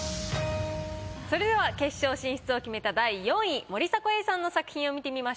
それでは決勝進出を決めた第４位森迫永依さんの作品を見てみましょう。